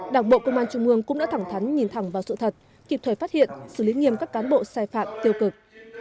đảng bộ công an trung ương cũng đã thẳng thắn nhìn thẳng vào sự thật kịp thời phát hiện xử lý nghiêm các cán bộ sai phạm tiêu cực